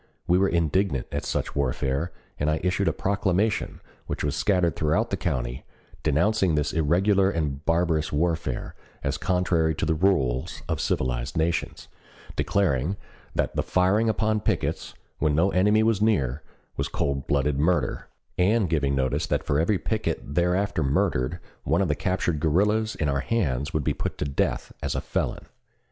We were indignant at such warfare, and I issued a proclamation which was scattered throughout the county, denouncing this irregular and barbarous warfare as contrary to the rules of civilized nations, declaring that the firing upon pickets, when no enemy was near, was cold blooded murder, and giving notice that for every picket thereafter murdered one of the captured guerrillas in our hands would be put to death as a felon.